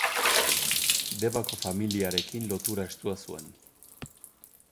Debako familiarekin lotura estua zuen.